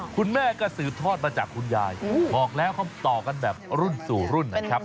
คุณแม่ก็สืบทอดมาจากคุณยายบอกแล้วเขาต่อกันแบบรุ่นสู่รุ่นนะครับ